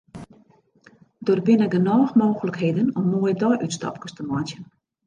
Der binne genôch mooglikheden om moaie deiútstapkes te meitsjen.